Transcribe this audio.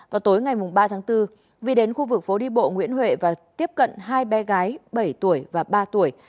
vào tối ngày ba tháng bốn vi đến khu vực phố đi bộ nguyễn huệ và tiếp cận hai bé gái bảy tuổi và ba tuổi